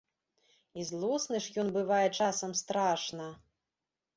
І злосны ж ён бывае часам страшна!